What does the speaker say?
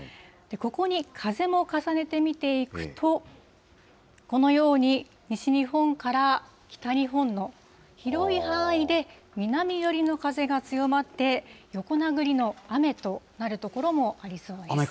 ここに風も重ねて見ていくと、このように、西日本から北日本の広い範囲で南寄りの風が強まって、横殴りの雨となる所もありそうです。